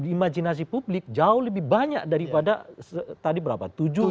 imajinasi publik jauh lebih banyak daripada tadi berapa